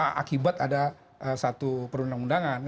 mungkin itu akibat ada satu perundangan undangan